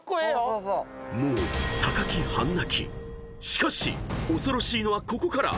［しかし恐ろしいのはここから］